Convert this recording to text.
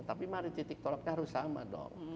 tapi mari titik tolaknya harus sama dong